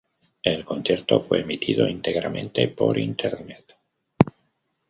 El concierto fue emitido íntegramente por internet.